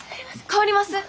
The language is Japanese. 代わります。